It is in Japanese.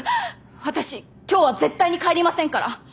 私今日は絶対に帰りませんから。